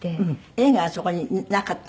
映画はそこになかったんですか？